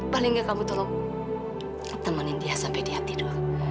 paling tidak kamu tolong temanin dia sampai dia tidur